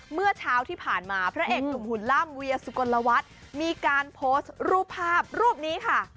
เมื่อเช้าที่ผ่านมาพระเอกหนุ่มหุ่นล่ำเวียสุกลวัฒน์มีการโพสต์รูปภาพรูปนี้ค่ะ